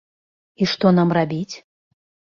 І што нам рабіць?